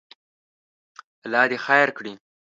الله دې خیر کړي.